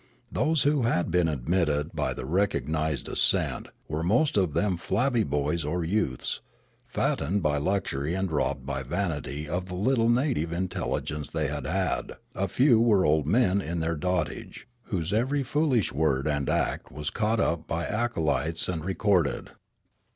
Those who had been admitted by the recognised ascent were most of them flabby boys or 3'ouths, fattened by luxury and robbed by vanit}' of the little native intel ligence they had had ; a few were old men in their dotage, whose every foolish word and act was caught up by acolytes and recorded.